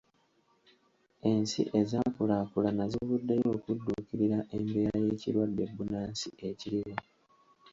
Ensi ezaakulaakulana zivuddeyo okudduukirira embeera y'ekirwadde bbunansi ekiriwo.